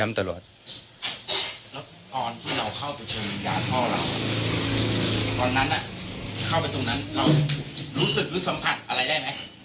แล้วตอนที่เราเข้าไปเชิญวิญญาณพ่อเราตอนนั้นเข้าไปตรงนั้นเรารู้สึกหรือสัมผัสอะไรได้ไหม